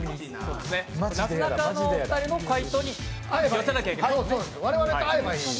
なすなかのお二人の回答に寄せないといけないですね。